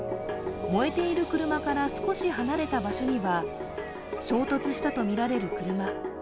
燃えている車から少し離れた場所には衝突したとみられる車。